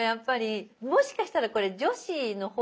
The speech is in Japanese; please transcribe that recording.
もしかしたらこれ女子の方が。